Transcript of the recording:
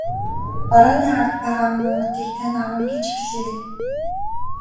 Барааны ард байгаа муу уутыг тань авна гэж хэлээрэй.